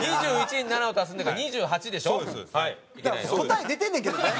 答え出てんねんけどね！